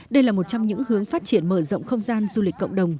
đây là một trong những hướng phát triển mở rộng không gian du lịch cộng đồng